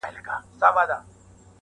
د هر چا په لاس کي خپله عریضه وه-